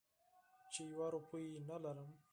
چې یوه روپۍ نه لرم.